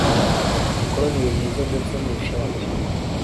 imikoranire myiza ndetse n’ubushake